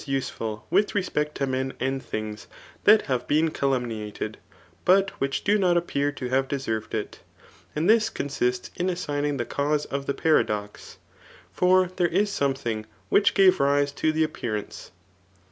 usafiil with respect to men and things that have been calum niated, but which do not appear to have deserved it ; and this consists in assigning the cause of the paradox. For there is something which gave rise to the appear* ance.